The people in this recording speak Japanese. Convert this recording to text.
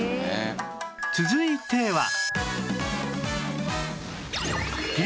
続いては